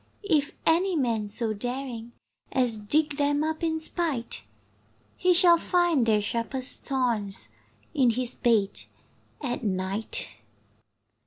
If any man so daring As dig them up in spite, He shall find their sharpest thorns In his bed at night.